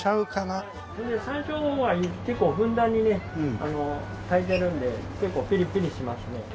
山椒の方は結構ふんだんにね炊いてるんで結構ピリピリしますね。